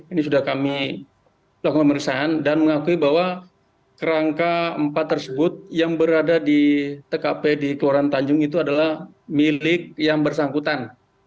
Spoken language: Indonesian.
ini sudah kami lakukan pemeriksaan dan mengakui bahwa kerangka empat tersebut yang berada di tkp di keluaran tanjung itu adalah milik yang bersangkutan